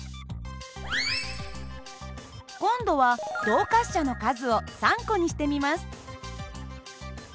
今度は動滑車の数を３個にしてみます。